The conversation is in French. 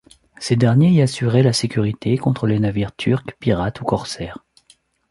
Ces derniers y assuraient la sécurité contre les navires turcs pirates ou corsaires.